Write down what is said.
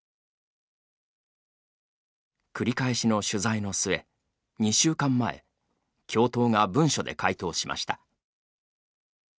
繰り返しの取材の末２週間前教頭が文書で回答しました。